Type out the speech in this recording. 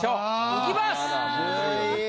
いきます。